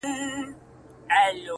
ټوله ته وای ټوله ته وای؛